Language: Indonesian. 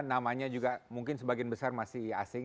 namanya juga mungkin sebagian besar masih asing